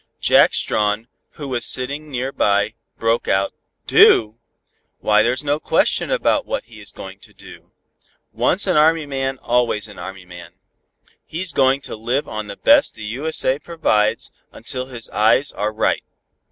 Jack Strawn, who was sitting near by, broke out "Do! why there's no question about what he is going to do. Once an Army man always an Army man. He's going to live on the best the U.S.A. provides until his eyes are right.